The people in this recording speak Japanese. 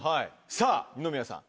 さぁ二宮さん